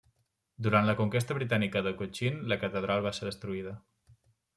Durant la conquesta britànica de Cochin, la catedral va ser destruïda.